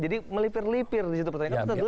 jadi melipir lipir disitu pertanyaan